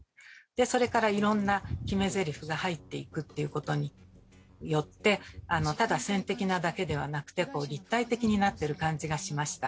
それからいろんな決めゼリフが入っていくっていうことによってただ線的なだけではなくて立体的になってる感じがしました。